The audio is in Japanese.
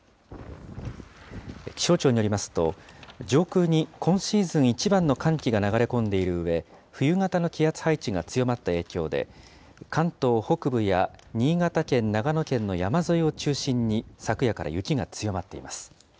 気象庁によりますと、上空に今シーズン一番の寒気が流れ込んでいるうえ、冬型の気圧配置が強まった影響で、関東北部や新潟県、長野県の山沿いを中心に、昨夜から雪が強まっています。